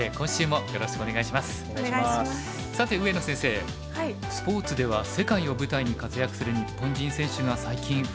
さて上野先生スポーツでは世界を舞台に活躍する日本人選手が最近増えてきましたよね。